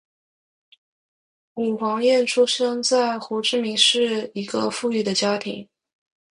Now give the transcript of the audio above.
武黄燕出生在胡志明市一个富裕的家庭。